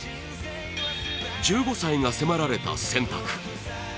１５歳が迫られた選択。